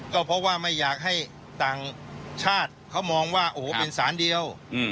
ก็เพราะว่าไม่อยากให้ต่างชาติเขามองว่าโอ้โหเป็นสารเดียว